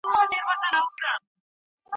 یوې ښکلي ناوکۍ ته به تر ملا سو